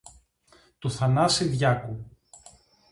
Του Θανάση Διάκου.